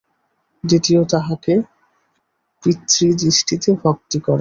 দ্বিতীয় তাঁহাকে পিতৃদৃষ্টিতে ভক্তি করা।